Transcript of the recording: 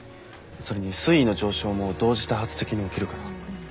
それに水位の上昇も同時多発的に起きるから。